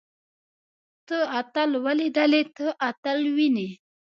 تۀ اتل وليدلې. ته اتل وينې؟